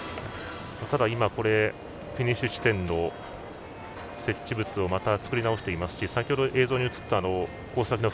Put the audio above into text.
フィニッシュ地点の設置物をまた作り直していますし先ほど映像に映ったコース